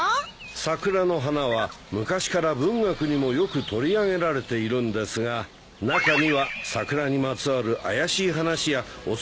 桜の花は昔から文学にもよく取り上げられているんですが中には桜にまつわる怪しい話や恐ろしい話もありましてね。